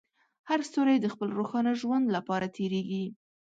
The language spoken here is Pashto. هر ستوری د خپل روښانه ژوند لپاره تېرېږي.